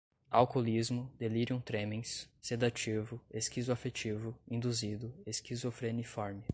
alcoolismo, delirium tremens, sedativo, esquizoafetivo, induzido, esquizofreniforme